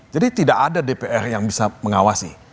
jadi tidak ada dpr yang bisa mengawasi